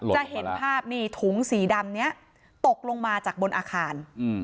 จะเห็นภาพนี่ถุงสีดำนี้ตกลงมาจากบนอาคาร